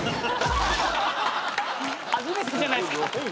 初めてじゃないっすか？